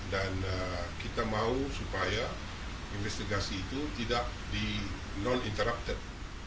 dan kita mau supaya investigasi itu tidak di non interrupted